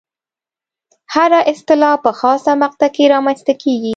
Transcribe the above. هره اصطلاح په خاصه مقطع کې رامنځته کېږي.